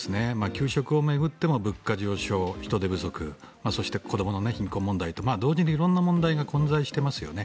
給食を巡っても物価上昇、人手不足そして、子どもの貧困問題と同時に色々な問題が混在してますよね。